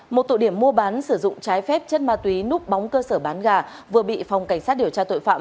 một tụ điểm mua bán sử dụng trái phép chất ma túy núp bóng cơ sở bán gà vừa bị phòng cảnh sát điều tra tội phạm